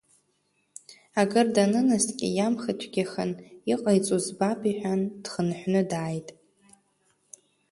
Акыр данынаскьа иамхацәгьахан, иҟаиҵауа збап, — иҳәан дхынҳәны дааит.